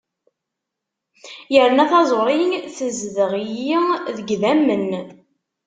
Yerna taẓuri tezdeɣ-iyi deg yidammen.